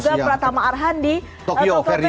ada juga pratama arhan di tokyo verde